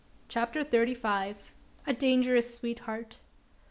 CHAPTER THIRTY FIVE. A DANGEROUS SWEETHEART.